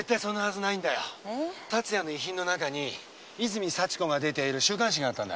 龍哉の遺品の中に泉幸子が出ている週刊誌があったんだ。